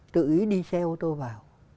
tự ý đi xe ô tô vào